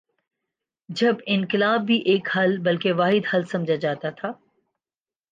جب انقلاب بھی ایک حل بلکہ واحد حل سمجھا جاتا تھا۔